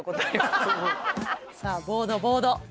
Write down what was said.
さあボードボード。